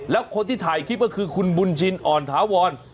แล้วคนที่ถ่ายคลิปก็คือคุณบุญชินอ่อนถาวร